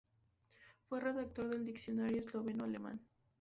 Fue redactor del diccionario esloveno-alemán.